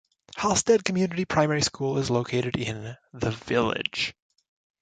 Halstead Community Primary School is located in the village.